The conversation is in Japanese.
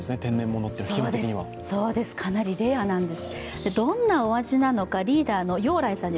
かなりレアなんです。